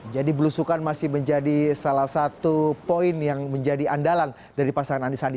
jadi belusukan masih menjadi salah satu poin yang menjadi andalan dari pasangan anis sandi